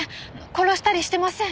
殺したりしてません！